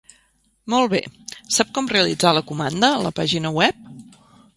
Molt bé, sap com realitzar la comanda a la pàgina web?